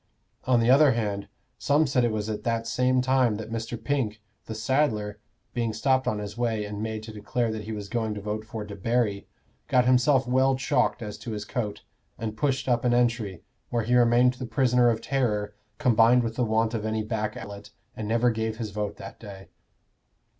On the other hand, some said it was at the same time that Mr. Pink, the saddler, being stopped on his way and made to declare that he was going to vote for Debarry, got himself well chalked as to his coat, and pushed up an entry, where he remained the prisoner of terror combined with the want of any back outlet, and never gave his vote that day.